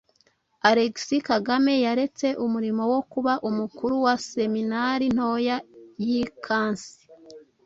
Alexis Kagame yaretse umurimo wo kuba umukuru wa Seminari ntoya y’i Kansi.